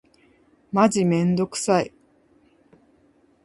マジめんどくさい。